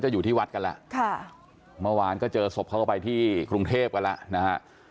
อยู่ที่วัดกันแล้วค่ะเมื่อวานก็เจอศพเขาก็ไปที่กรุงเทพกันแล้วนะฮะ